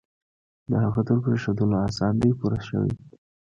د هغه تر پرېښودلو آسان دی پوه شوې!.